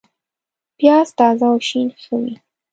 پیاز تازه او شین ښه وي